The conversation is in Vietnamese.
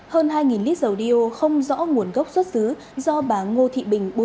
hơn hai lít dầu đeo không rõ nguồn gốc xuất xứ do bà ngô thị bình